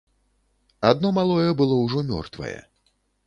Адно малое было ўжо мёртвае.